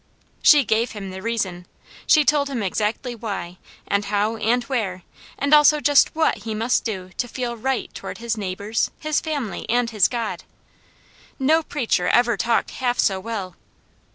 She gave him the reason. She told him exactly why, and how, and where, and also just WHAT he must do to feel RIGHT toward his neighbours, his family, and his God. No preacher ever talked half so well.